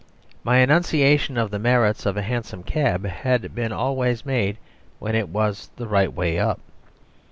My enunciation of the merits of a hansom cab had been always made when it was the right way up.